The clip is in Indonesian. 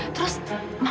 terus mama lupa ngabarin